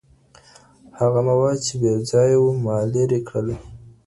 هغه مواد چي بې ځایه وو ما لیري کړل.